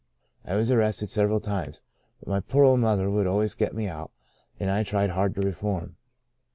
I was arrested several times, but my poor old mother would always get me out, and I tried hard to reform.